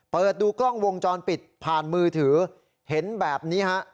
เปิดดูกล้องวงจรปิดผ่านมือถือเห็นแบบนี้ฮะ